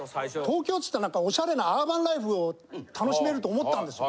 東京つったらなんかオシャレなアーバンライフを楽しめると思ったんですよ。